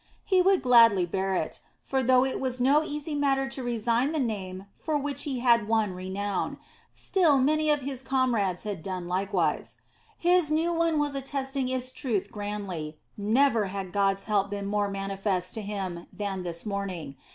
He would gladly bear it; for though it was no easy matter to resign the name for which he had won renown, still many of his comrades had done likewise. His new one was attesting its truth grandly; never had God's help been more manifest to him than this morning.